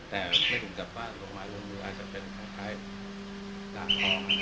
แต่ไม่ถึงจับบ้านลงมาลงมืออาจจะเป็นคล้ายด่าของ